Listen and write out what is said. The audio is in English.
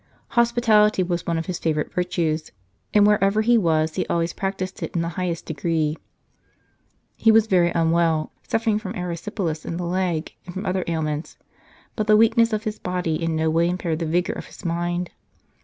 Hospitality was one of his favourite virtues, and wherever he was he always practised it in the highest degree. 220 " What went you out to see ?" He was very unwell, suffering from erysipelas in the leg and from other ailments, but the weak ness of his body in no way impaired the vigour of his mind.